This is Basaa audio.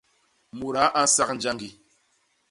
Mudaa a nsak njañgi.